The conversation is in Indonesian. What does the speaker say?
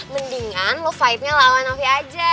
mendingan lo fightnya lawan novi aja